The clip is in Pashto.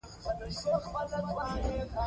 زه تا یادوم